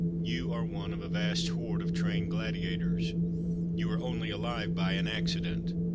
You are one of a vast horde of trained gladiators. You are only alive by an accident.